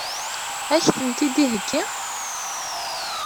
Ad k-tent-id-iheggi?